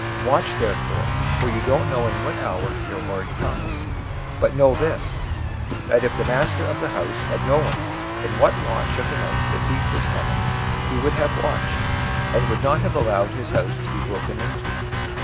024:042 Watch therefore, for you don't know in what hour your Lord comes. 024:043 But know this, that if the master of the house had known in what watch of the night the thief was coming, he would have watched, and would not have allowed his house to be broken into.